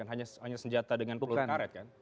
hanya senjata dengan peluru karet kan